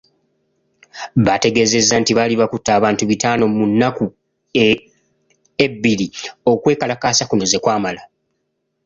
Baategeeza nti baali bakutte abantu bitaano mu nnaku ebiri okwekalakaasa kuno ze kwamala.